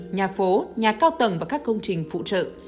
nhà phố nhà cao tầng và các công trình phụ trợ